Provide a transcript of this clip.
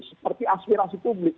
seperti aspirasi publik